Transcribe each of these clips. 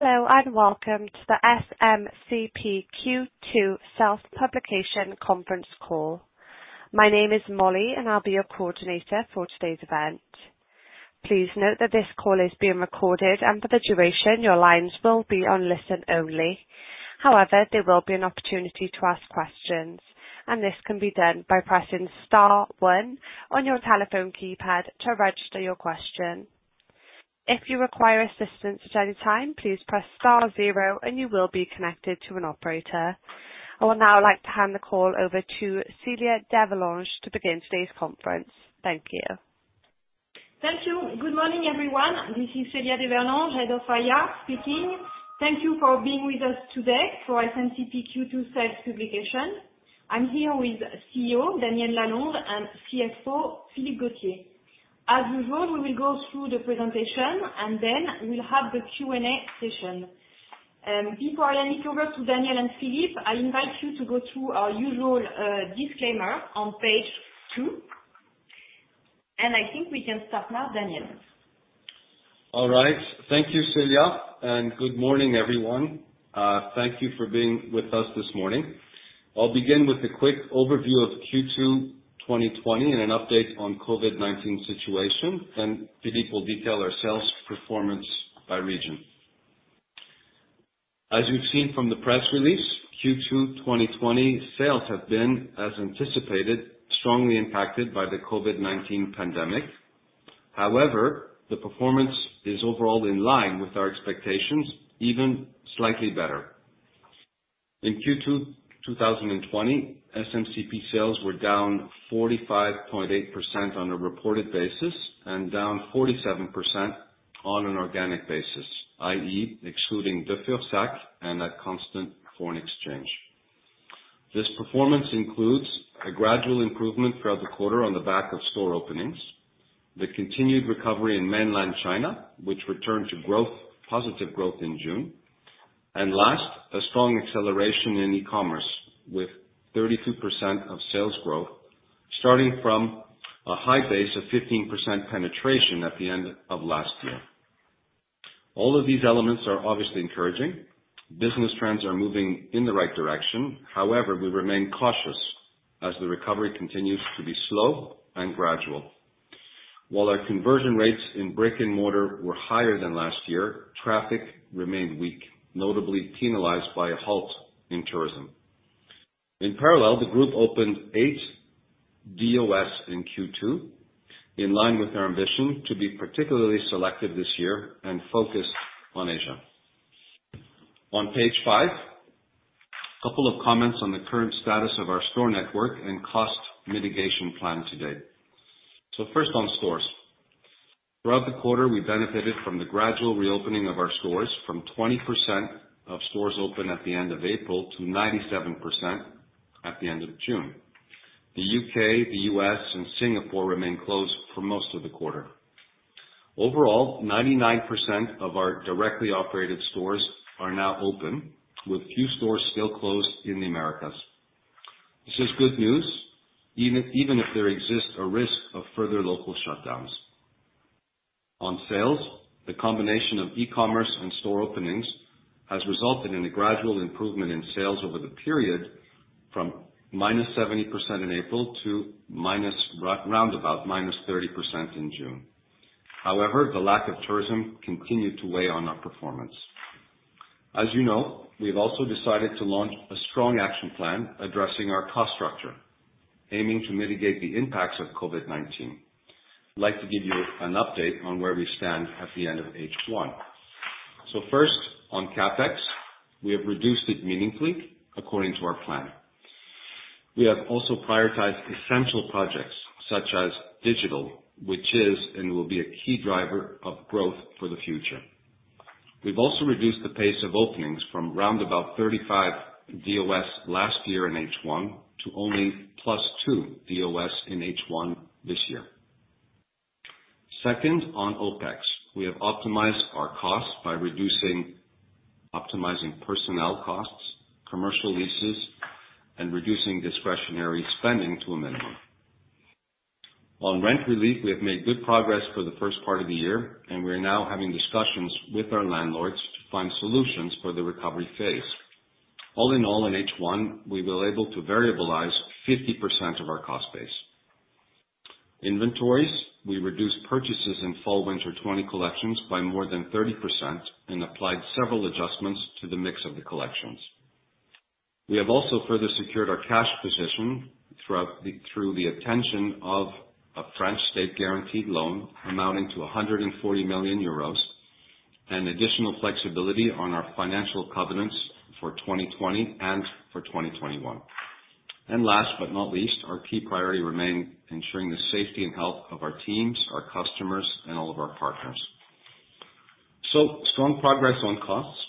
Hello and welcome to the SMCP Q2 Sales Publication Conference Call. My name is Molly, and I'll be your coordinator for today's event. Please note that this call is being recorded, and for the duration, your lines will be on listen-only. However, there will be an opportunity to ask questions, and this can be done by pressing star one on your telephone keypad to register your question. If you require assistance at any time, please press star zero, and you will be connected to an operator. I would now like to hand the call over to Célia d'Everlange to begin today's conference. Thank you. Thank you. Good morning, everyone. This is Célia d'Everlange at SMCP speaking. Thank you for being with us today for SMCP Q2 sales publication. I'm here with CEO Daniel Lalonde and CFO Philippe Gautier. As usual, we will go through the presentation, and then we'll have the Q&A session. Before I hand it over to Daniel and Philippe, I invite you to go through our usual disclaimer on page two, and I think we can start now, Daniel. All right. Thank you, Celia, and good morning, everyone. Thank you for being with us this morning. I'll begin with a quick overview of Q2 2020 and an update on the COVID-19 situation, and Philippe will detail our sales performance by region. As you've seen from the press release, Q2 2020 sales have been, as anticipated, strongly impacted by the COVID-19 pandemic. However, the performance is overall in line with our expectations, even slightly better. In Q2 2020, SMCP sales were down 45.8% on a reported basis and down 47% on an organic basis, i.e., excluding De Fursac and at constant foreign exchange. This performance includes a gradual improvement throughout the quarter on the back of store openings, the continued recovery in mainland China, which returned to positive growth in June, and last, a strong acceleration in e-commerce with 32% of sales growth, starting from a high base of 15% penetration at the end of last year. All of these elements are obviously encouraging. Business trends are moving in the right direction. However, we remain cautious as the recovery continues to be slow and gradual. While our conversion rates in brick and mortar were higher than last year, traffic remained weak, notably penalized by a halt in tourism. In parallel, the group opened eight DOS in Q2, in line with our ambition to be particularly selective this year and focused on Asia. On page five, a couple of comments on the current status of our store network and cost mitigation plan today. So first, on stores. Throughout the quarter, we benefited from the gradual reopening of our stores, from 20% of stores open at the end of April to 97% at the end of June. The U.K., the U.S., and Singapore remain closed for most of the quarter. Overall, 99% of our directly operated stores are now open, with few stores still closed in the Americas. This is good news, even if there exists a risk of further local shutdowns. On sales, the combination of e-commerce and store openings has resulted in a gradual improvement in sales over the period, from minus 70% in April to round about minus 30% in June. However, the lack of tourism continued to weigh on our performance. As you know, we've also decided to launch a strong action plan addressing our cost structure, aiming to mitigate the impacts of COVID-19. I'd like to give you an update on where we stand at the end of H1. So first, on CapEx, we have reduced it meaningfully, according to our plan. We have also prioritized essential projects, such as digital, which is and will be a key driver of growth for the future. We've also reduced the pace of openings from round about 35 DOS last year in H1 to only plus two DOS in H1 this year. Second, on OPEX, we have optimized our costs by optimizing personnel costs, commercial leases, and reducing discretionary spending to a minimum. On rent relief, we have made good progress for the first part of the year, and we are now having discussions with our landlords to find solutions for the recovery phase. All in all, in H1, we were able to variabilize 50% of our cost base. Inventories, we reduced purchases in Fall/Winter 2020 collections by more than 30% and applied several adjustments to the mix of the collections. We have also further secured our cash position through the obtention of a French state-guaranteed loan amounting to 140 million euros and additional flexibility on our financial covenants for 2020 and for 2021. Last but not least, our key priority remains ensuring the safety and health of our teams, our customers, and all of our partners, so strong progress on costs.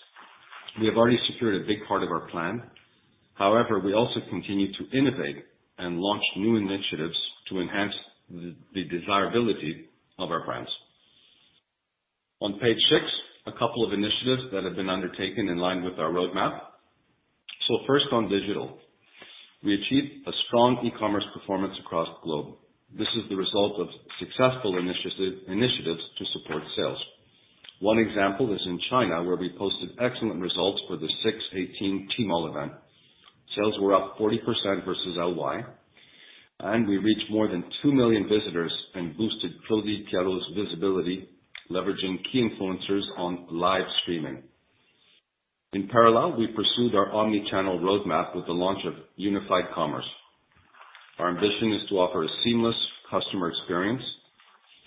We have already secured a big part of our plan. However, we also continue to innovate and launch new initiatives to enhance the desirability of our brands. On page six, a couple of initiatives that have been undertaken in line with our roadmap, so first, on digital, we achieved a strong e-commerce performance across the globe. This is the result of successful initiatives to support sales. One example is in China, where we posted excellent results for the 6/18 Tmall event. Sales were up 40% versus LY, and we reached more than 2 million visitors and boosted Claudie Pierlot's visibility, leveraging key influencers on live streaming. In parallel, we pursued our omnichannel roadmap with the launch of unified commerce. Our ambition is to offer a seamless customer experience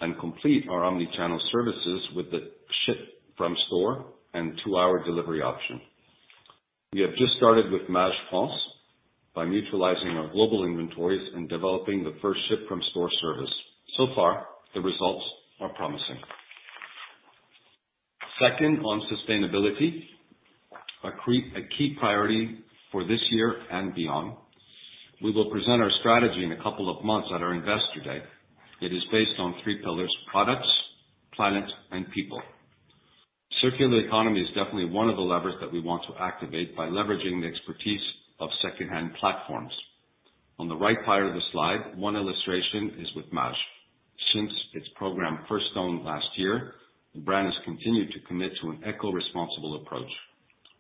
and complete our omnichannel services with the ship-from-store and two-hour delivery option. We have just started with Maje France by mutualizing our global inventories and developing the first ship-from-store service. So far, the results are promising. Second, on sustainability, a key priority for this year and beyond, we will present our strategy in a couple of months at our Investor Day. It is based on three pillars: products, planet, and people. Circular economy is definitely one of the levers that we want to activate by leveraging the expertise of secondhand platforms. On the right part of the slide, one illustration is with Maje. Since its program first owned last year, the brand has continued to commit to an eco-responsible approach.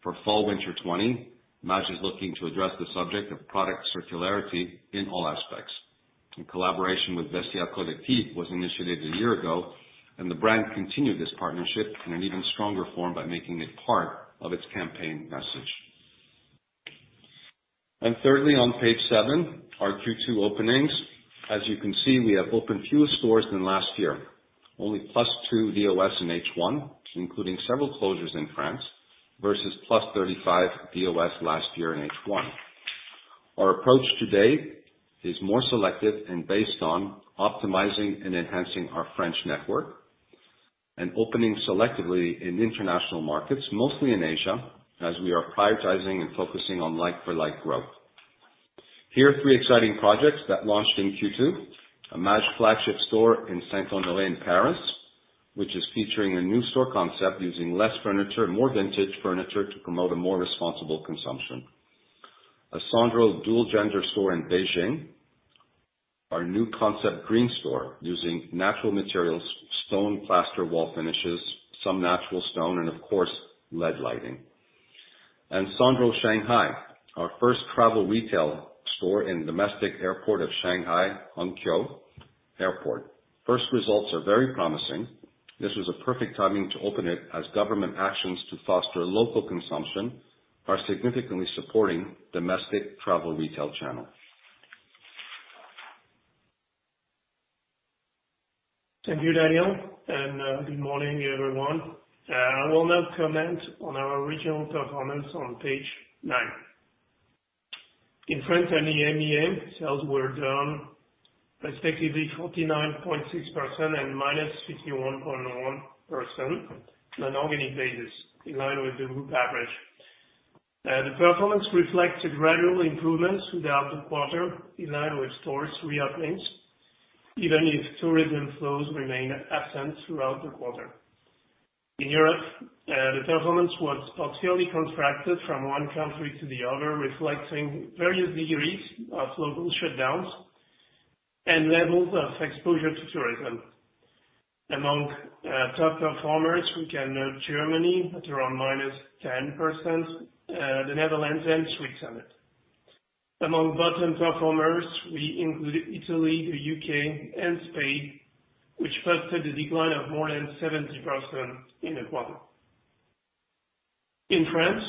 For Fall/Winter 2020, Maje is looking to address the subject of product circularity in all aspects. A collaboration with Vestiaire Collective was initiated a year ago, and the brand continued this partnership in an even stronger form by making it part of its campaign message. And thirdly, on page seven, our Q2 openings. As you can see, we have opened fewer stores than last year, only plus two DOS in H1, including several closures in France, versus plus 35 DOS last year in H1. Our approach today is more selective and based on optimizing and enhancing our French network and opening selectively in international markets, mostly in Asia, as we are prioritizing and focusing on like-for-like growth. Here are three exciting projects that launched in Q2: a Maje flagship store in Saint-Honoré in Paris, which is featuring a new store concept using less furniture, more vintage furniture to promote a more responsible consumption. A Sandro dual-gender store in Beijing. Our new concept green store using natural materials, stone plaster wall finishes, some natural stone, and of course, LED lighting. And Sandro Shanghai, our first travel retail store in the domestic airport of Shanghai, Hangzhou Airport. First results are very promising. This was a perfect timing to open it as government actions to foster local consumption are significantly supporting domestic travel retail channel. Thank you, Daniel, and good morning, everyone. I will now comment on our regional performance on page nine. In France, and in EMEA, sales were down respectively 49.6% and -51.1% on an organic basis, in line with the group average. The performance reflects a gradual improvement throughout the quarter, in line with stores reopening, even if tourism flows remain absent throughout the quarter. In Europe, the performance was partially contracted from one country to the other, reflecting various degrees of local shutdowns and levels of exposure to tourism. Among top performers, we can note Germany at around -10%, the Netherlands, and Switzerland. Among bottom performers, we include Italy, the U.K., and Spain, which posted a decline of more than 70% in the quarter. In France,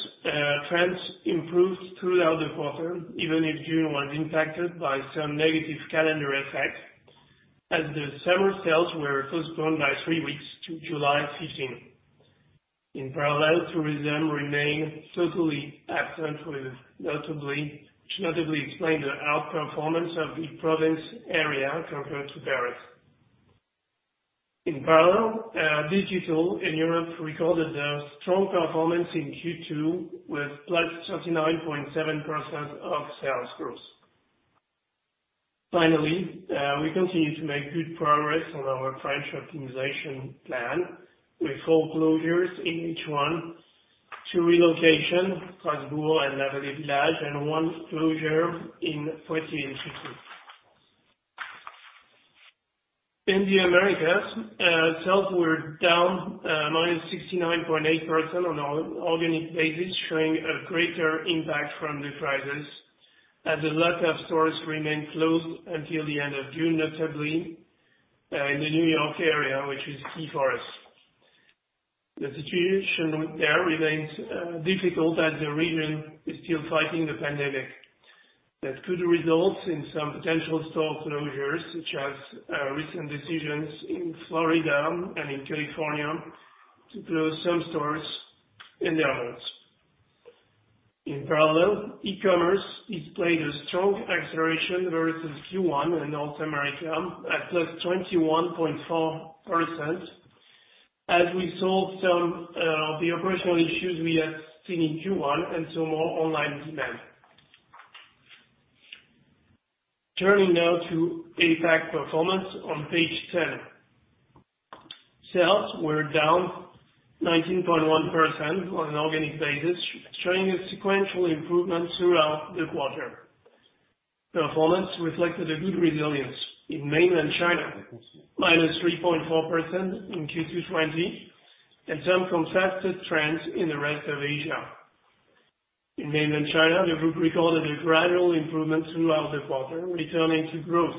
trends improved throughout the quarter, even if June was impacted by some negative calendar effect, as the summer sales were postponed by three weeks to July 15. In parallel, tourism remained totally absent, which notably explained the outperformance of the province area compared to Paris. In parallel, digital in Europe recorded a strong performance in Q2 with plus 39.7% of sales growth. Finally, we continue to make good progress on our French optimization plan, with four closures in H1: two relocations, Strasbourg and La Vallée Village, and one closure in Poitiers in Q2. In the Americas, sales were down minus 69.8% on an organic basis, showing a greater impact from the crisis, as a lot of stores remained closed until the end of June, notably in the New York area, which is key for us. The situation there remains difficult as the region is still fighting the pandemic. That could result in some potential store closures, such as recent decisions in Florida and in California to close some stores and their owners. In parallel, e-commerce displayed a strong acceleration versus Q1 in North America at plus 21.4%, as we saw some of the operational issues we had seen in Q1 and saw more online demand. Turning now to APAC performance on page 10, sales were down 19.1% on an organic basis, showing a sequential improvement throughout the quarter. Performance reflected a good resilience. In mainland China, minus 3.4% in Q2 2020, and some contrasted trends in the rest of Asia. In mainland China, the group recorded a gradual improvement throughout the quarter, returning to growth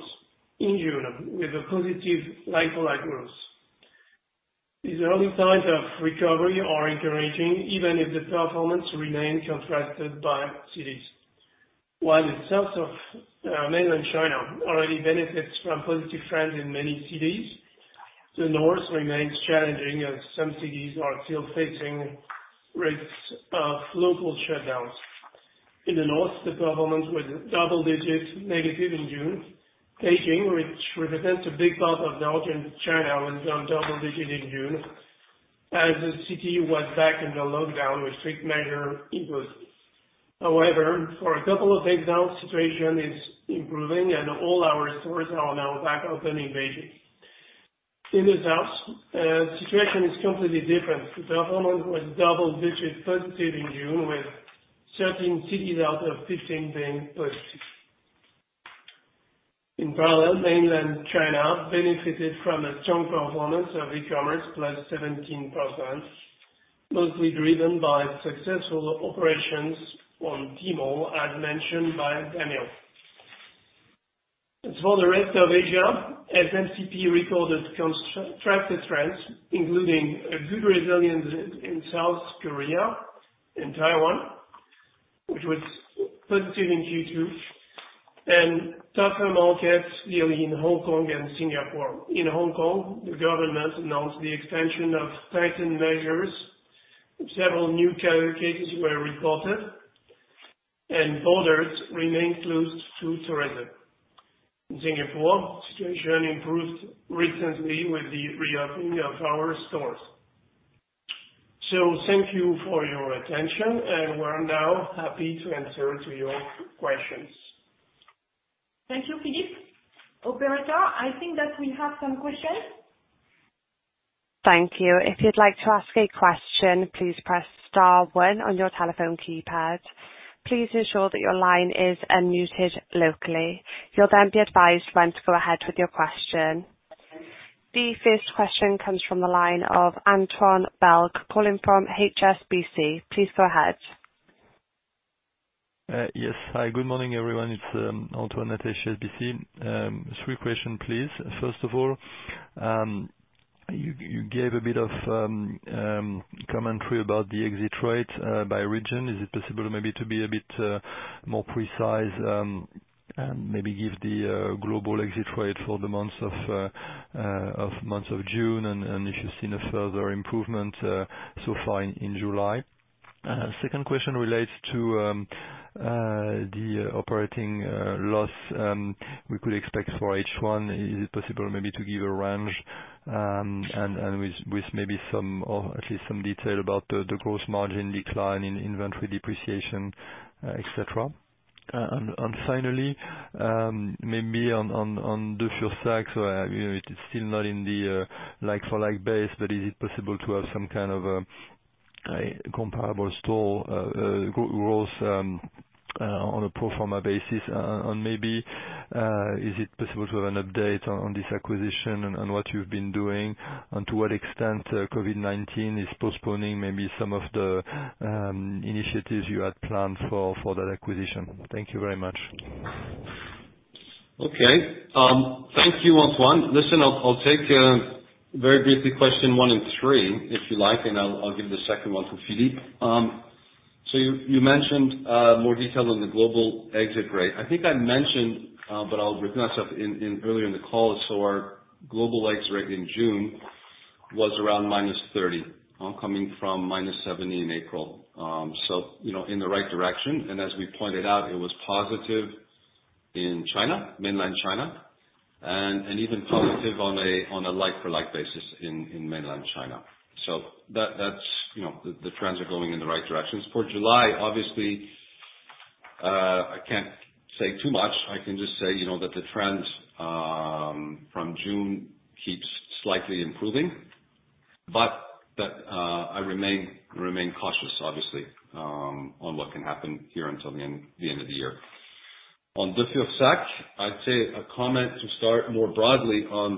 in June with a positive like-for-like growth. These early signs of recovery are encouraging, even if the performance remained contrasted by cities. While the south of mainland China already benefits from positive trends in many cities, the north remains challenging, as some cities are still facing risks of local shutdowns. In the north, the performance was double-digit negative in June. Beijing, which represents a big part of Northern China, was on double digits in June, as the city was back in the lockdown with strict measures imposed. However, for a couple of days now, the situation is improving, and all our stores are now back open in Beijing. In the south, the situation is completely different. The performance was double-digit positive in June, with 13 cities out of 15 being positive. In parallel, mainland China benefited from a strong performance of e-commerce, +17%, mostly driven by successful operations on Tmall, as mentioned by Daniel. As for the rest of Asia, SMCP recorded contrasted trends, including a good resilience in South Korea and Taiwan, which was positive in Q2, and tougher markets really in Hong Kong and Singapore. In Hong Kong, the government announced the expansion of pandemic measures. Several new cases were reported, and borders remained closed to tourism. In Singapore, the situation improved recently with the reopening of our stores, so thank you for your attention, and we're now happy to answer your questions. Thank you, Philippe. Operator, I think that we have some questions. Thank you. If you'd like to ask a question, please press star one on your telephone keypad. Please ensure that your line is unmuted locally. You'll then be advised when to go ahead with your question. The first question comes from the line of Antoine Belge, calling from HSBC. Please go ahead. Yes. Hi, good morning, everyone. It's Antoine at HSBC. Three questions, please. First of all, you gave a bit of commentary about the exit rate by region. Is it possible maybe to be a bit more precise and maybe give the global exit rate for the months of June and if you've seen a further improvement so far in July? Second question relates to the operating loss we could expect for H1. Is it possible maybe to give a range with maybe at least some detail about the gross margin decline, inventory depreciation, etc.? And finally, maybe on De Fursac, it's still not in the like-for-like base, but is it possible to have some kind of a comparable store growth on a pro forma basis? And maybe, is it possible to have an update on this acquisition and what you've been doing, and to what extent COVID-19 is postponing maybe some of the initiatives you had planned for that acquisition? Thank you very much. Okay. Thank you, Antoine. Listen, I'll take very briefly question one and three, if you like, and I'll give the second one to Philippe. So you mentioned more detail on the global exit rate. I think I mentioned, but I'll bring myself in earlier in the call, so our global exit rate in June was around minus 30, all coming from minus 70 in April. So in the right direction. And as we pointed out, it was positive in China, mainland China, and even positive on a like-for-like basis in mainland China. So the trends are going in the right direction. As for July, obviously, I can't say too much. I can just say that the trend from June keeps slightly improving, but I remain cautious, obviously, on what can happen here until the end of the year. On the De Fursac, I'd say a comment to start more broadly on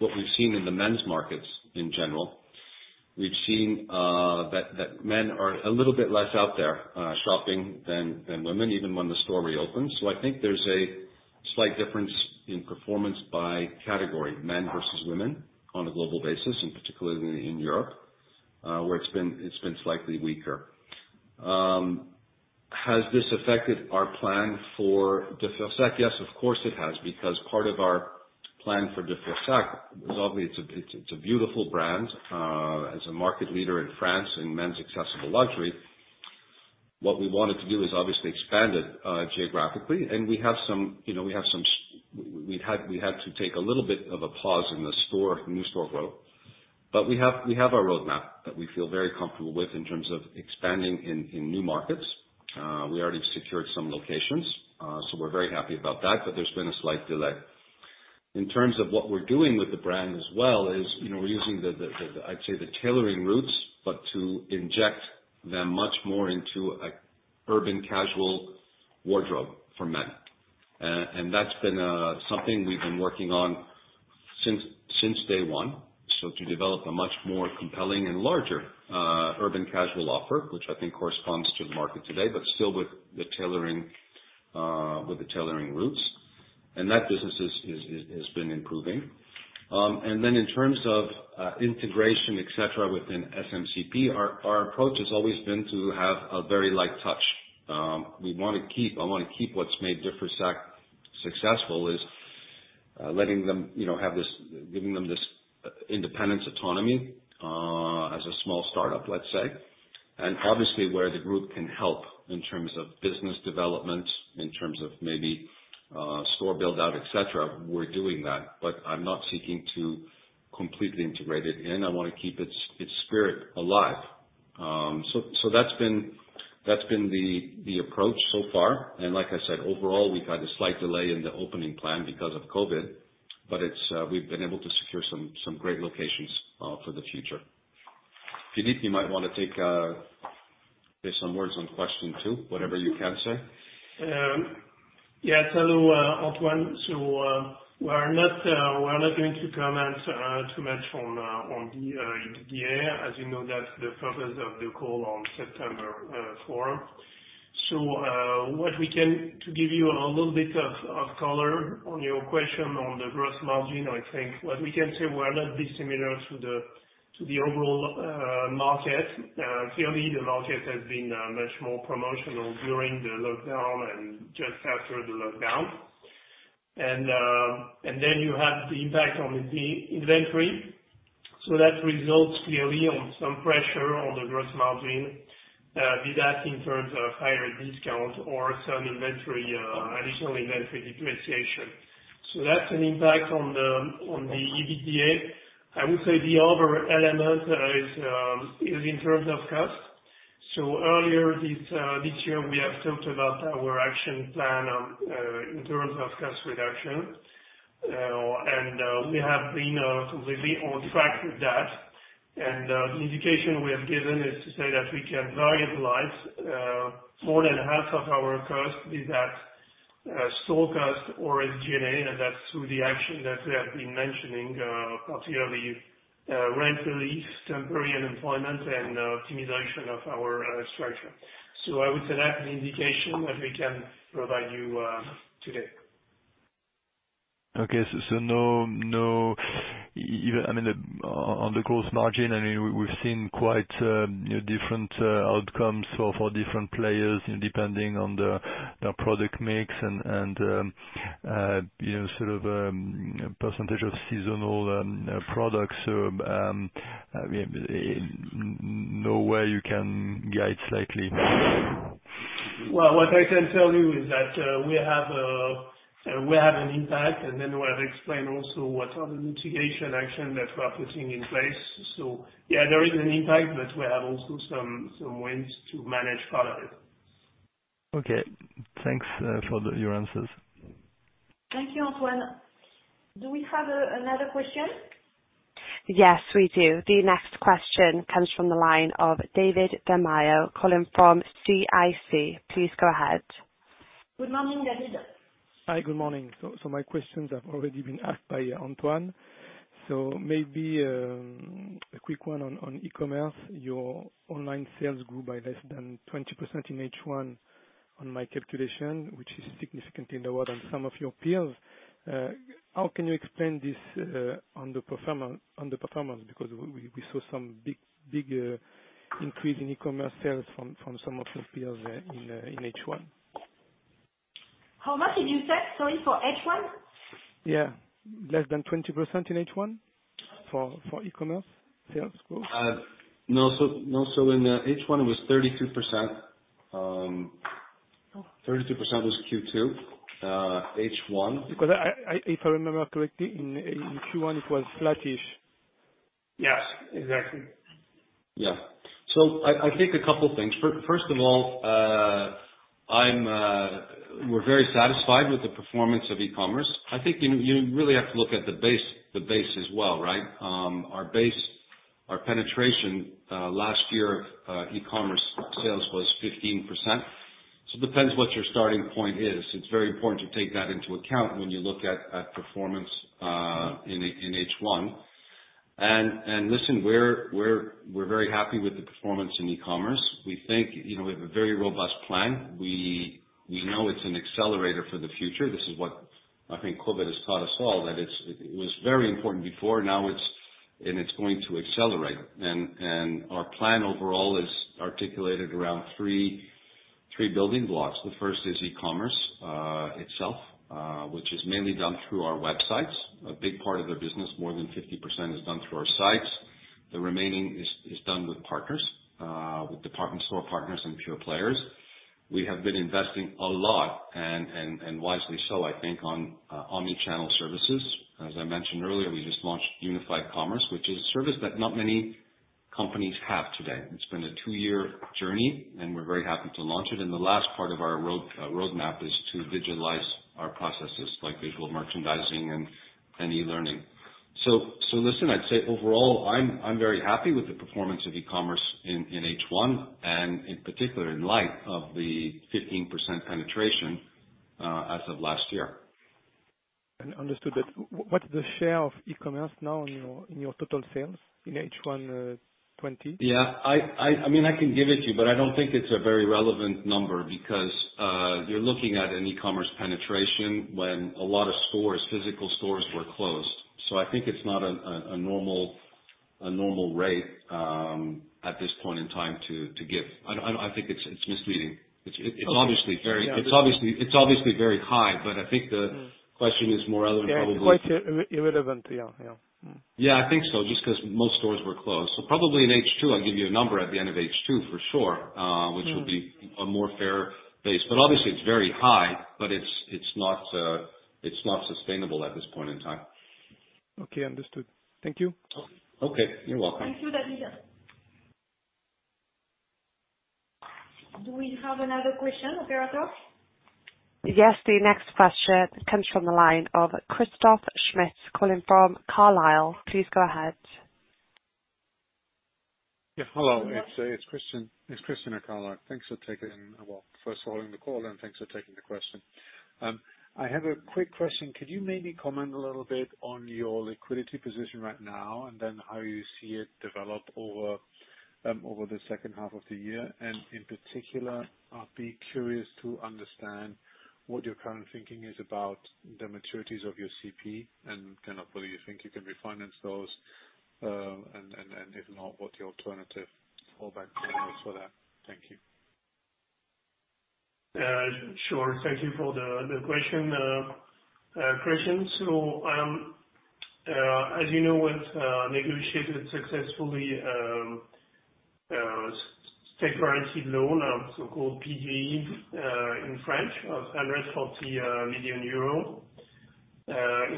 what we've seen in the men's markets in general. We've seen that men are a little bit less out there shopping than women, even when the store reopens. So I think there's a slight difference in performance by category, men versus women, on a global basis, and particularly in Europe, where it's been slightly weaker. Has this affected our plan for the De Fursac? Yes, of course it has, because part of our plan for the De Fursac, it's a beautiful brand. As a market leader in France in men's accessible luxury, what we wanted to do is obviously expand it geographically. And we have some - we had to take a little bit of a pause in the new store growth. But we have our roadmap that we feel very comfortable with in terms of expanding in new markets. We already secured some locations, so we're very happy about that, but there's been a slight delay. In terms of what we're doing with the brand as well, we're using, I'd say, the tailoring routes, but to inject them much more into an urban casual wardrobe for men, and that's been something we've been working on since day one, so to develop a much more compelling and larger urban casual offer, which I think corresponds to the market today, but still with the tailoring routes, and that business has been improving. And then in terms of integration, etc., within SMCP, our approach has always been to have a very light touch. I want to keep what's made the Fursac successful, letting them have this, giving them this independence, autonomy as a small startup, let's say. Obviously, where the group can help in terms of business development, in terms of maybe store build-out, etc., we're doing that. I'm not seeking to completely integrate it in. I want to keep its spirit alive. That's been the approach so far. Like I said, overall, we've had a slight delay in the opening plan because of COVID, but we've been able to secure some great locations for the future. Philippe, you might want to take some words on question two, whatever you can say. Yeah. Hello, Antoine. We're not going to comment too much on the idea, as you know, that's the focus of the call on September 4. What we can - to give you a little bit of color on your question on the gross margin, I think what we can say, we're not dissimilar to the overall market. Clearly, the market has been much more promotional during the lockdown and just after the lockdown. And then you have the impact on the inventory. So that results clearly in some pressure on the gross margin, be that in terms of higher discount or some additional inventory depreciation. So that's an impact on the EBITDA. I would say the other element is in terms of cost. So earlier this year, we have talked about our action plan in terms of cost reduction, and we have been completely on track with that. And the indication we have given is to say that we can variabilize more than half of our cost, be that store cost or SG&A, and that's through the action that we have been mentioning, particularly rent relief, temporary unemployment, and optimization of our structure. So I would say that's an indication that we can provide you today. Okay. So, I mean, on the gross margin, I mean, we've seen quite different outcomes for different players depending on their product mix and sort of percentage of seasonal products. So, no way you can guide slightly. What I can tell you is that we have an impact, and then we have explained also what are the mitigation actions that we are putting in place. Yeah, there is an impact, but we have also some ways to manage part of it. Okay. Thanks for your answers. Thank you, Antoine. Do we have another question? Yes, we do. The next question comes from the line of David Da Maia, calling from CIC. Please go ahead. Good morning, David. Hi, good morning. So my questions have already been asked by Antoine. So maybe a quick one on e-commerce. Your online sales grew by less than 20% in H1 on my calculation, which is significantly lower than some of your peers. How can you explain this underperformance? Because we saw some big increase in e-commerce sales from some of your peers in H1. How much did you say? Sorry, for H1? Yeah. Less than 20% in H1 for e-commerce sales growth? No, so in H1, it was 32%. 32% was Q2 H1. Because if I remember correctly, in Q1, it was flattish. Yes, exactly. Yeah. So I think a couple of things. First of all, we're very satisfied with the performance of e-commerce. I think you really have to look at the base as well, right? Our penetration last year of e-commerce sales was 15%. So it depends what your starting point is. It's very important to take that into account when you look at performance in H1. And listen, we're very happy with the performance in e-commerce. We think we have a very robust plan. We know it's an accelerator for the future. This is what I think COVID has taught us all, that it was very important before, and it's going to accelerate. And our plan overall is articulated around three building blocks. The first is e-commerce itself, which is mainly done through our websites. A big part of their business, more than 50%, is done through our sites. The remaining is done with partners, with department store partners and peer players. We have been investing a lot, and wisely so, I think, on omnichannel services. As I mentioned earlier, we just launched Unified Commerce, which is a service that not many companies have today. It's been a two-year journey, and we're very happy to launch it. And the last part of our roadmap is to digitalize our processes, like digital merchandising and e-learning. So listen, I'd say overall, I'm very happy with the performance of e-commerce in H1, and in particular, in light of the 15% penetration as of last year. And understood that. What's the share of e-commerce now in your total sales in H1 2020? Yeah. I mean, I can give it to you, but I don't think it's a very relevant number because you're looking at an e-commerce penetration when a lot of physical stores were closed. So I think it's not a normal rate at this point in time to give. I think it's misleading. It's obviously very high, but I think the question is more relevant probably. Yeah, quite irrelevant. Yeah, yeah. Yeah, I think so, just because most stores were closed. So probably in H2, I'll give you a number at the end of H2 for sure, which will be a more fair base. But obviously, it's very high, but it's not sustainable at this point in time. Okay, understood. Thank you. Okay. You're welcome. Thank you, David. Do we have another question of your author? Yes, the next question comes from the line of Christoff Schmitz, calling from The Carlyle Group. Please go ahead. Yeah, hello. It's Christian at Carlyle. Thanks for taking, well, first of all, in the call, and thanks for taking the question. I have a quick question. Could you maybe comment a little bit on your liquidity position right now and then how you see it develop over the second half of the year? And in particular, I'd be curious to understand what your current thinking is about the maturities of your CP and kind of whether you think you can refinance those, and if not, what your alternative fallback plan is for that. Thank you. Sure. Thank you for the question, Christian. As you know, we've negotiated successfully a state-guaranteed loan, so-called PGE in French, of €140 million.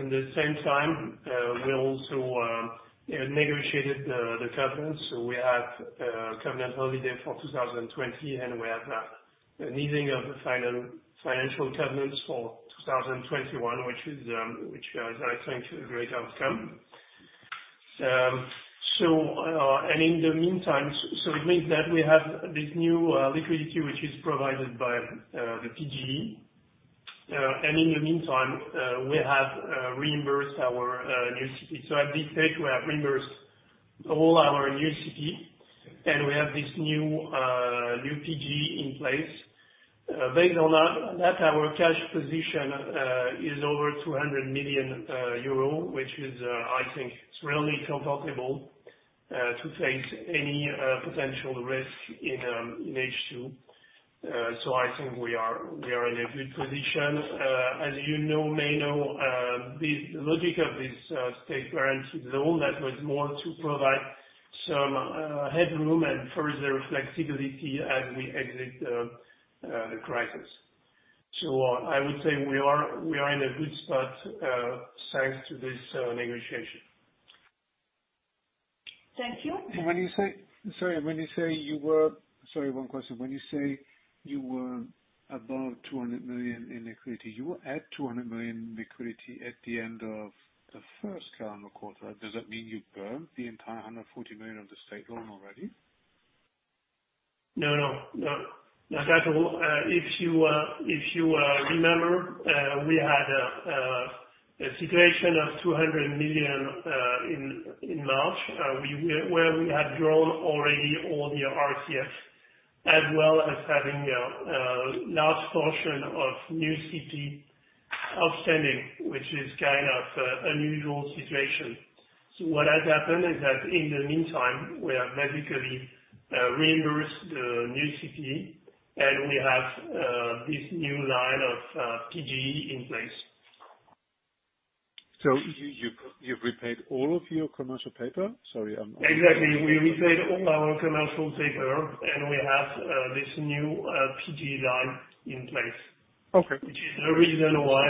In the same time, we also negotiated the covenants. We have a covenant holiday for 2020, and we have the needing of the financial covenants for 2021, which I think is a great outcome. In the meantime, it means that we have this new liquidity, which is provided by the PGE. In the meantime, we have reimbursed our new CP. At this stage, we have reimbursed all our new CP, and we have this new PGE in place. Based on that, our cash position is over €200 million, which is, I think, really comfortable to face any potential risk in H2. I think we are in a good position. As you may know, the logic of this state-guaranteed loan that was more to provide some headroom and further flexibility as we exit the crisis. So I would say we are in a good spot thanks to this negotiation. Thank you. When you say, sorry, when you say you were, sorry, one question. When you say you were above 200 million in liquidity, you were at 200 million in liquidity at the end of the first calendar quarter. Does that mean you burned the entire 140 million of the state loan already? No, no, no. If you remember, we had a situation of 200 million in March, where we had drawn already all the RCFs, as well as having a large portion of new CP outstanding, which is kind of an unusual situation. So what has happened is that in the meantime, we have basically reimbursed the new CP, and we have this new line of PGE in place. So you've repaid all of your Commercial Paper? Sorry, I'm. Exactly. We repaid all our commercial paper, and we have this new PGE line in place, which is the reason why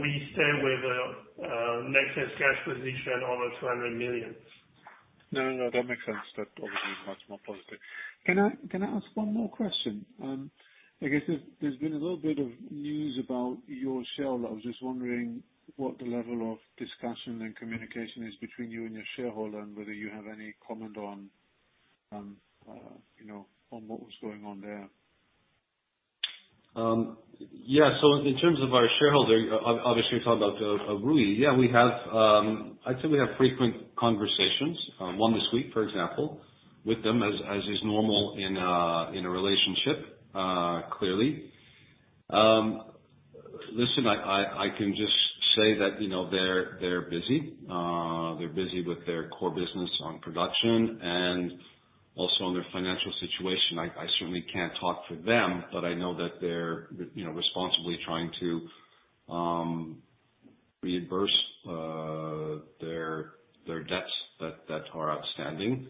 we stay with the net cash position over 200 million. No, no, no. That makes sense. That obviously is much more positive. Can I ask one more question? I guess there's been a little bit of news about your shareholder. I was just wondering what the level of discussion and communication is between you and your shareholder and whether you have any comment on what was going on there. Yeah, so in terms of our shareholder, obviously, we're talking about Ruyi. Yeah, I'd say we have frequent conversations, one this week, for example, with them, as is normal in a relationship, clearly. Listen, I can just say that they're busy. They're busy with their core business on production and also on their financial situation. I certainly can't talk for them, but I know that they're responsibly trying to reimburse their debts that are outstanding,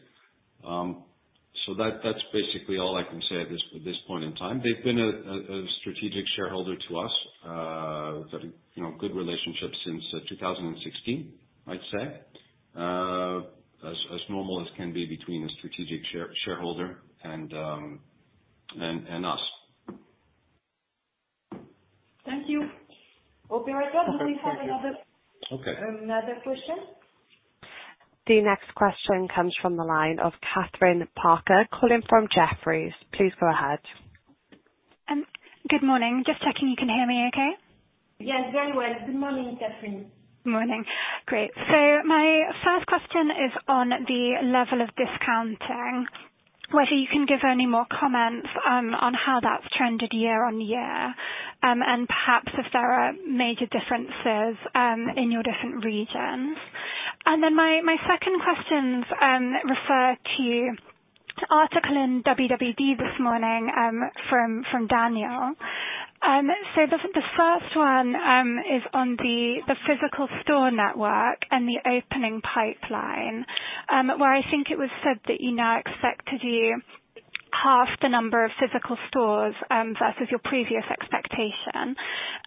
so that's basically all I can say at this point in time. They've been a strategic shareholder to us. We've had a good relationship since 2016, I'd say, as normal as can be between a strategic shareholder and us. Thank you. Okay, right. We have another question. The next question comes from the line of Kathryn Parker, calling from Jefferies. Please go ahead. Good morning. Just checking you can hear me okay? Yes, very well. Good morning, Kathryn. Good morning. Great. So my first question is on the level of discounting, whether you can give any more comments on how that's trended year on year, and perhaps if there are major differences in your different regions. And then my second question referred to an article in WWD this morning from Daniel. So the first one is on the physical store network and the opening pipeline, where I think it was said that you now expect to do half the number of physical stores versus your previous expectation.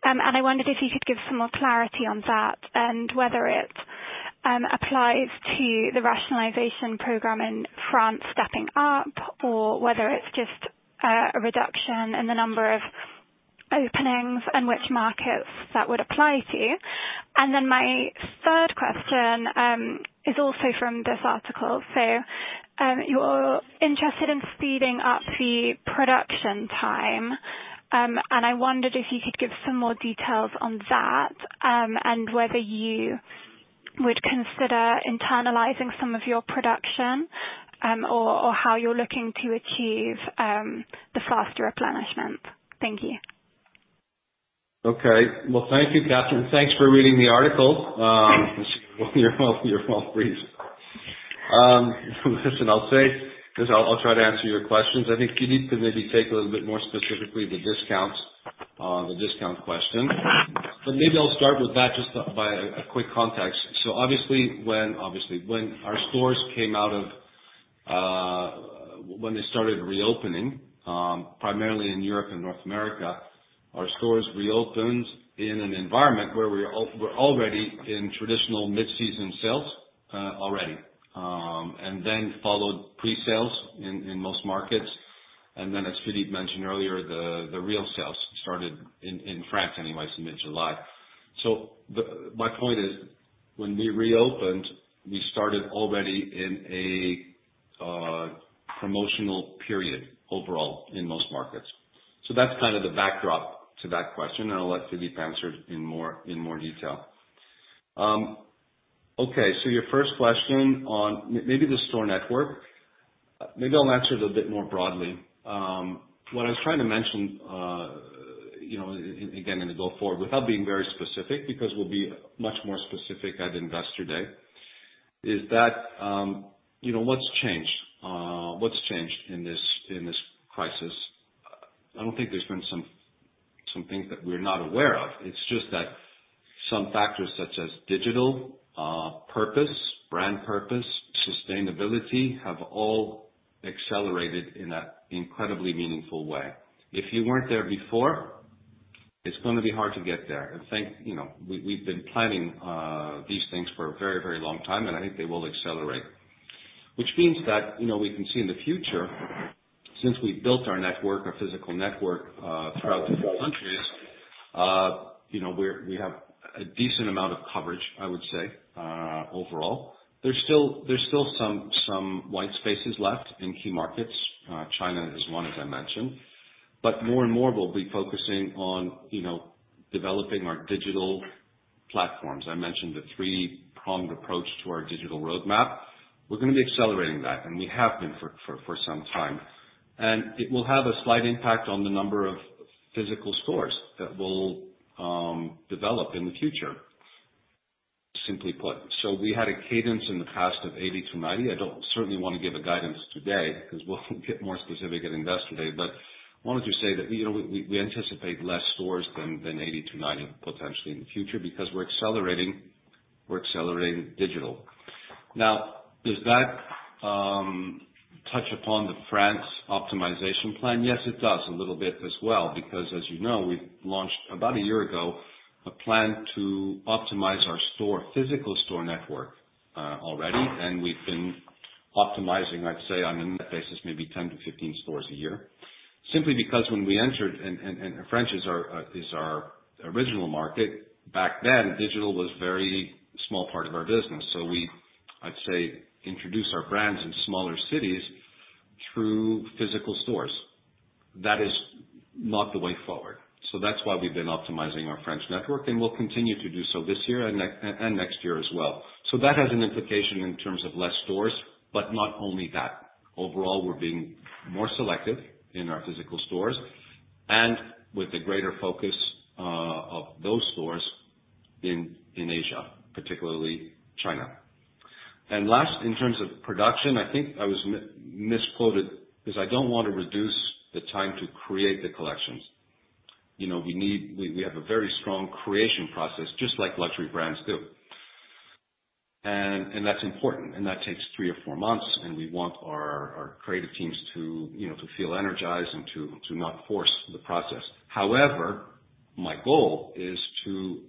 And I wondered if you could give some more clarity on that and whether it applies to the rationalization program in France stepping up, or whether it's just a reduction in the number of openings and which markets that would apply to. And then my third question is also from this article. So you're interested in speeding up the production time, and I wondered if you could give some more details on that and whether you would consider internalizing some of your production or how you're looking to achieve the faster replenishment? Thank you. Okay, well, thank you, Catherine. Thanks for reading the article. You're well briefed. Listen, I'll try to answer your questions. I think you need to maybe take a little bit more specifically the discount question, but maybe I'll start with that just by a quick context, so obviously, when our stores came out of when they started reopening, primarily in Europe and North America, our stores reopened in an environment where we were already in traditional mid-season sales already, and then followed pre-sales in most markets, and then, as Philippe mentioned earlier, the real sales started in France anyway, so mid-July, so my point is, when we reopened, we started already in a promotional period overall in most markets, so that's kind of the backdrop to that question, and I'll let Philippe answer it in more detail. Okay. Your first question on maybe the store network, maybe I'll answer it a bit more broadly. What I was trying to mention, again, going forward, without being very specific, because we'll be much more specific at investor day, is that what's changed in this crisis? I don't think there's been some things that we're not aware of. It's just that some factors such as digital purpose, brand purpose, sustainability have all accelerated in an incredibly meaningful way. If you weren't there before, it's going to be hard to get there. We've been planning these things for a very, very long time, and I think they will accelerate, which means that we can see in the future, since we've built our network, our physical network throughout the two countries, we have a decent amount of coverage, I would say, overall. There's still some white spaces left in key markets. China is one, as I mentioned. But more and more, we'll be focusing on developing our digital platforms. I mentioned the three-pronged approach to our digital roadmap. We're going to be accelerating that, and we have been for some time. And it will have a slight impact on the number of physical stores that will develop in the future, simply put. So we had a cadence in the past of 80-90. I don't certainly want to give a guidance today because we'll get more specific at investor day, but I wanted to say that we anticipate less stores than 80-90 potentially in the future because we're accelerating digital. Now, does that touch upon the France optimization plan? Yes, it does a little bit as well because, as you know, we've launched about a year ago a plan to optimize our physical store network already, and we've been optimizing, I'd say, on a net basis, maybe 10-15 stores a year, simply because when we entered, and France is our original market, back then, digital was a very small part of our business. So we, I'd say, introduced our brands in smaller cities through physical stores. That is not the way forward. So that's why we've been optimizing our French network, and we'll continue to do so this year and next year as well. So that has an implication in terms of less stores, but not only that. Overall, we're being more selective in our physical stores and with a greater focus of those stores in Asia, particularly China. Last, in terms of production, I think I was misquoted because I don't want to reduce the time to create the collections. We have a very strong creation process, just like luxury brands do. That's important, and that takes three or four months, and we want our creative teams to feel energized and to not force the process. However, my goal is to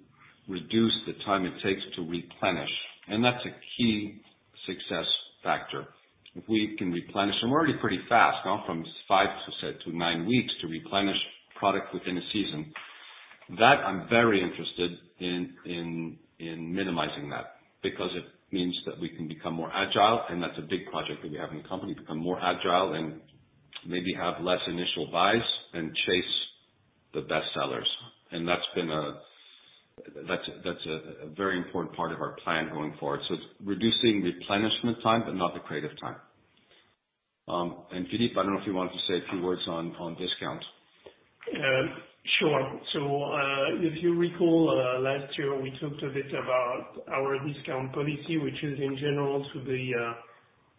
reduce the time it takes to replenish, and that's a key success factor. If we can replenish (I'm already pretty fast now from five, I said, to nine weeks to replenish product within a season), that I'm very interested in minimizing that because it means that we can become more agile, and that's a big project that we have in the company, become more agile and maybe have less initial buys and chase the best sellers. That's a very important part of our plan going forward. So it's reducing replenishment time, but not the creative time. And Philippe, I don't know if you wanted to say a few words on discounts. Sure. So if you recall, last year, we talked a bit about our discount policy, which is in general to be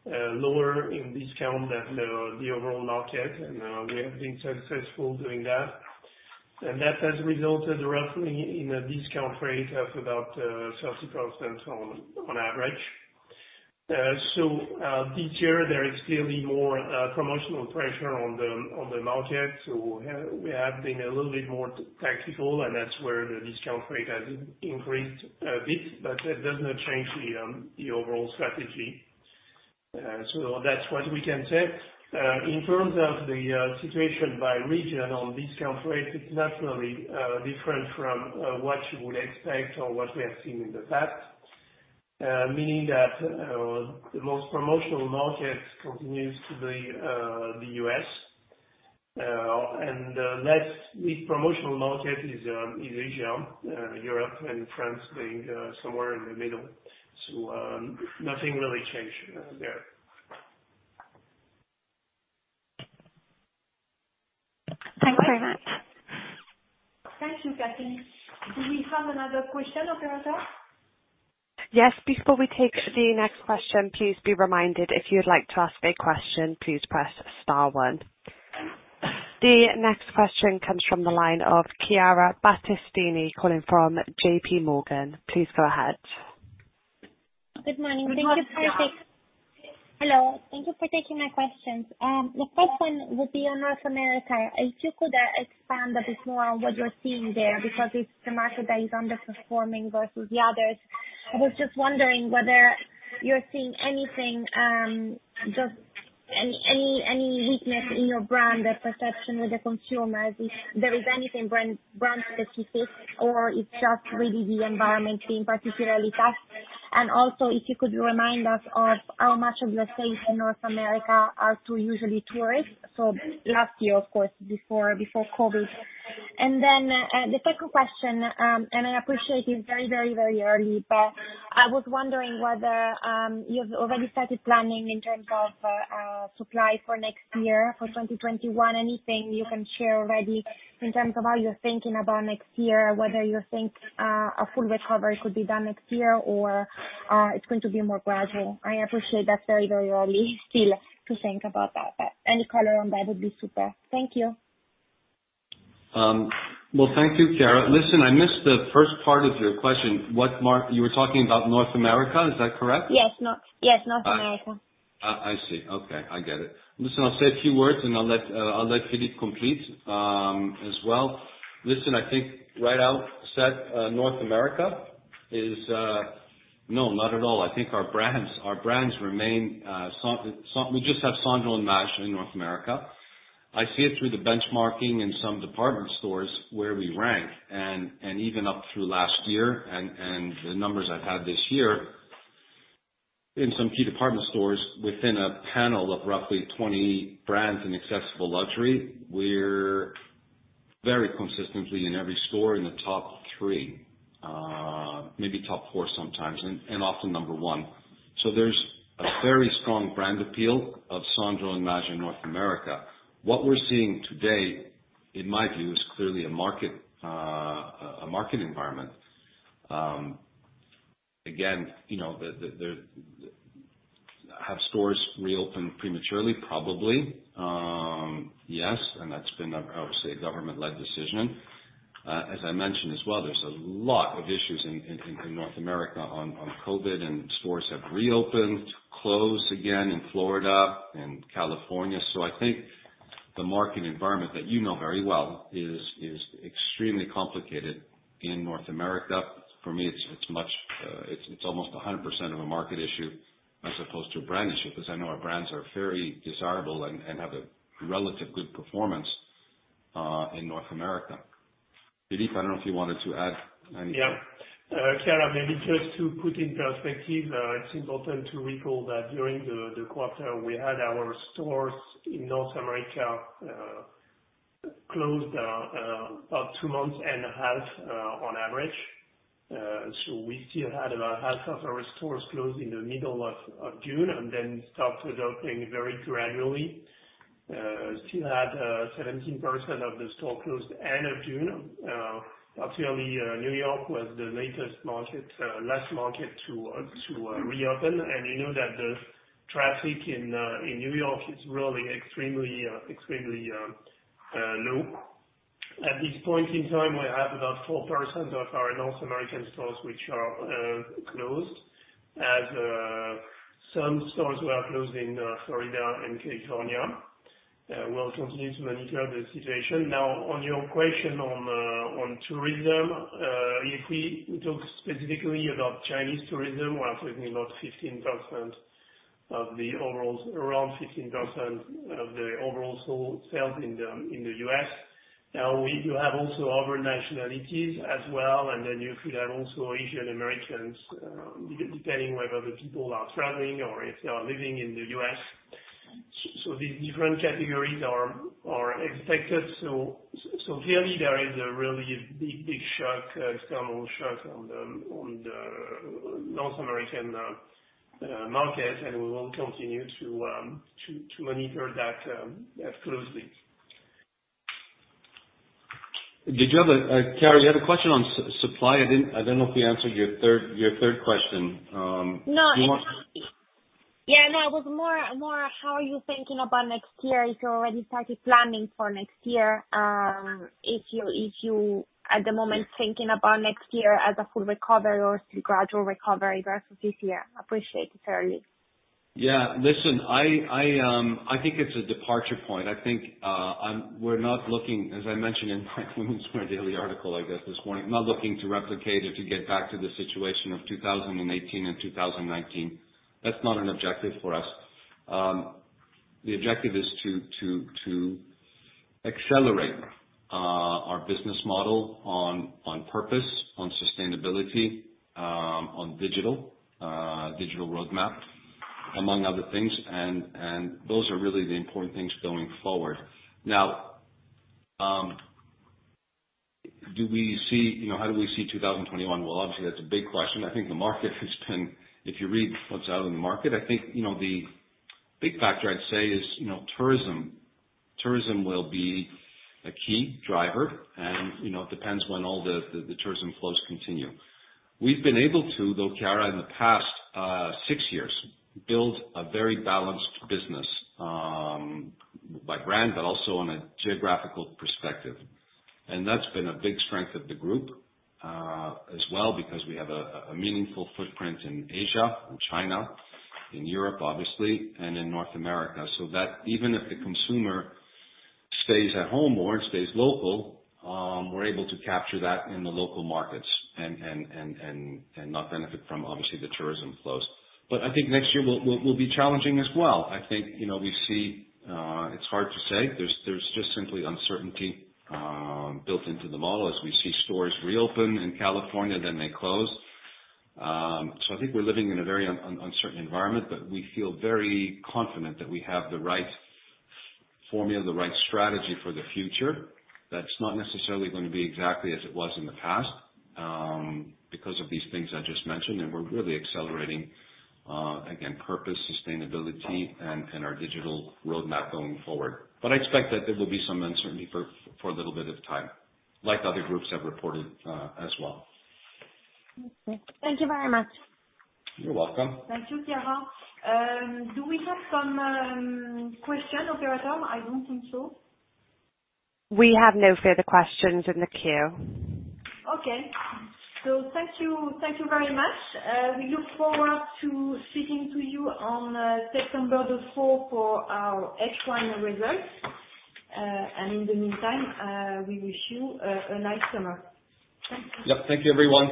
lower in discount than the overall market, and we have been successful doing that. And that has resulted roughly in a discount rate of about 30% on average. So this year, there is clearly more promotional pressure on the market, so we have been a little bit more tactical, and that's where the discount rate has increased a bit, but that does not change the overall strategy. So that's what we can say. In terms of the situation by region on discount rates, it's not really different from what you would expect or what we have seen in the past, meaning that the most promotional market continues to be the U.S., and the next big promotional market is Asia, Europe, and France being somewhere in the middle. So nothing really changed there. Thanks very much. Thank you, Kathryn. Do we have another question, operator? Yes. Before we take the next question, please be reminded if you'd like to ask a question, please press star one. The next question comes from the line of Chiara Battistini calling from JPMorgan. Please go ahead. Good morning. Thank you for taking my questions. The first one would be on North America. If you could expand a bit more on what you're seeing there because it's the market that is underperforming versus the others? I was just wondering whether you're seeing anything, just any weakness in your brand, the perception with the consumers, if there is anything brand-specific, or it's just really the environment being particularly tough. And also, if you could remind us of how much of your sales in North America are to usually tourists. So last year, of course, before COVID. And then the second question, and I appreciate it's very, very, very early, but I was wondering whether you've already started planning in terms of supply for next year, for 2021, anything you can share already in terms of how you're thinking about next year, whether you think a full recovery could be done next year or it's going to be more gradual. I appreciate that very, very early still to think about that, but any color on that would be super. Thank you. Thank you, Chiara. Listen, I missed the first part of your question. You were talking about North America. Is that correct? Yes. North America. I see. Okay. I get it. Listen, I'll say a few words, and I'll let Philippe complete as well. Listen, I think right out, North America is no, not at all. I think our brands remain, we just have Sandro and Maje in North America. I see it through the benchmarking in some department stores where we rank, and even up through last year, and the numbers I've had this year in some key department stores within a panel of roughly 20 brands in accessible luxury, we're very consistently in every store in the top three, maybe top four sometimes, and often number one. So there's a very strong brand appeal of Sandro and Maje in North America. What we're seeing today, in my view, is clearly a market environment. Again, have stores reopen prematurely? Probably. Yes. And that's been, I would say, a government-led decision. As I mentioned as well, there's a lot of issues in North America on COVID, and stores have reopened, closed again in Florida, in California. So I think the market environment that you know very well is extremely complicated in North America. For me, it's almost 100% of a market issue as opposed to a brand issue because I know our brands are very desirable and have a relatively good performance in North America. Philippe, I don't know if you wanted to add anything. Yeah. Chiara, maybe just to put in perspective, it's important to recall that during the quarter, we had our stores in North America closed about two months and a half on average. So we still had about half of our stores closed in the middle of June and then started opening very gradually. Still had 17% of the stores closed at the end of June. Clearly, New York was the latest market, last market to reopen. And you know that the traffic in New York is really extremely low. At this point in time, we have about 4% of our North American stores which are closed, as some stores were closed in Florida and California. We'll continue to monitor the situation. Now, on your question on tourism, if we talk specifically about Chinese tourism, we're talking about 15% of the overall, around 15% of the overall sales in the U.S. Now, we do have also other nationalities as well, and then you could have also Asian Americans, depending whether the people are traveling or if they are living in the U.S. So these different categories are expected. So clearly, there is a really big, big shock, external shock on the North American market, and we will continue to monitor that closely. Did you have a, Chiara, you had a question on supply? I don't know if we answered your third question. No, it's just, yeah, no, it was more how are you thinking about next year if you already started planning for next year? If you're at the moment thinking about next year as a full recovery or a gradual recovery versus this year. I appreciate it, early. Yeah. Listen, I think it's a departure point. I think we're not looking, as I mentioned in my Women's Wear Daily article, I guess, this morning, not looking to replicate or to get back to the situation of 2018 and 2019. That's not an objective for us. The objective is to accelerate our business model on purpose, on sustainability, on digital roadmap, among other things, and those are really the important things going forward. Now, do we see how we see 2021? Well, obviously, that's a big question. I think the market has been, if you read what's out in the market, I think the big factor, I'd say, is tourism. Tourism will be a key driver, and it depends when all the tourism flows continue. We've been able to, though, Chiara, in the past six years, build a very balanced business by brand, but also on a geographical perspective. And that's been a big strength of the group as well because we have a meaningful footprint in Asia, in China, in Europe, obviously, and in North America. So that even if the consumer stays at home or stays local, we're able to capture that in the local markets and not benefit from, obviously, the tourism flows. But I think next year will be challenging as well. I think we see. It's hard to say. There's just simply uncertainty built into the model as we see stores reopen in California, then they close. So I think we're living in a very uncertain environment, but we feel very confident that we have the right formula, the right strategy for the future. That's not necessarily going to be exactly as it was in the past because of these things I just mentioned, and we're really accelerating, again, purpose, sustainability, and our digital roadmap going forward. But I expect that there will be some uncertainty for a little bit of time, like other groups have reported as well. Thank you very much. You're welcome. Thank you, Chiara. Do we have some questions, operator? I don't think so. We have no further questions in the queue. Okay. So thank you very much. We look forward to speaking to you on September the 4th for our half-year results. And in the meantime, we wish you a nice summer. Thank you. Yep. Thank you, everyone.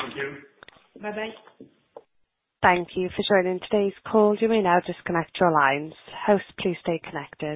Thank you. Bye-bye. Thank you for joining today's call. You may now disconnect your lines. Host, please stay connected.